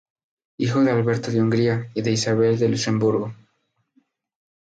Hijo de Alberto de Hungría y de Isabel de Luxemburgo.